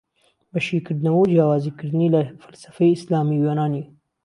بە شیکردنەوەو جیاوزی کردنی لە فەلسەفەی ئیسلامی و یۆنانی